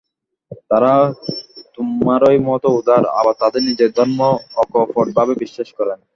তাঁরা তোমারই মত উদার, আবার তাঁদের নিজের ধর্ম অকপটভাবে বিশ্বাস করেন।